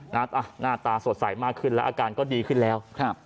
อย่างเต็มที่หน้าตาสดใสมากขึ้นและอาการก็ดีขึ้นแล้ว